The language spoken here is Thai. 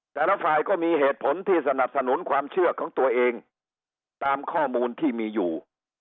แต่ละฝ่ายก็มีเหตุผลที่สนับสนุนความเชื่อของตัวเองตามข้อมูลที่มีอยู่